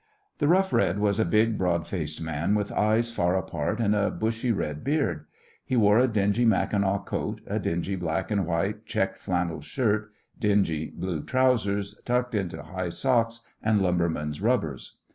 The Rough Red was a big broad faced man with eyes far apart and a bushy red beard. He wore a dingy mackinaw coat, a dingy black and white checked flannel shirt, dingy blue trousers, tucked into high socks and lumberman's rubbers.